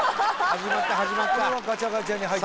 始まった始まった。